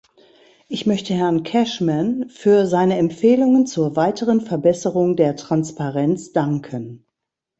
Ich möchte Herrn Cashman für seine Empfehlungen zur weiteren Verbesserung der Transparenz danken.